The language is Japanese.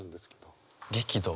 激怒？